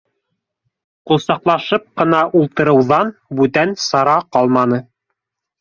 Ҡосаҡлашып ҡына ултырыуҙан бүтән сара ҡалманы